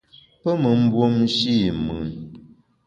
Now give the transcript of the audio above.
Pe me mbuomshe i mùn.